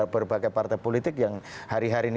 berbagai partai politik yang hari hari ini